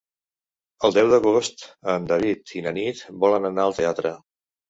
El deu d'agost en David i na Nit volen anar al teatre.